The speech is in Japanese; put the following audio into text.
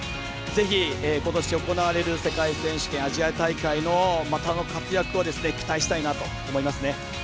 ぜひ、ことし行われる世界選手権アジア大会の活躍を期待したいなと思いますね。